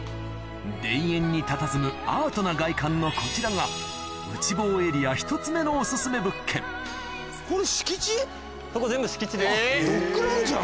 田園にたたずむアートな外観のこちらが内房エリア１つ目のドッグランじゃん